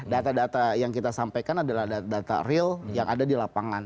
data data yang kita sampaikan adalah data real yang ada di lapangan